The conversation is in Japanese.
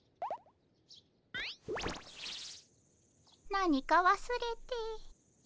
何かわすれて。